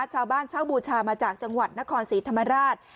เช่าบูชามาจากจังหวัดนครศรีธรรมราช